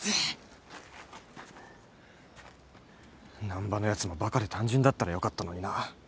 難破のやつもバカで単純だったらよかったのにな。